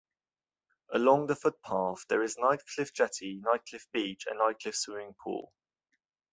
Along the footpath there is Nightcliff Jetty, Nightcliff Beach and Nightcliff Swimming Pool.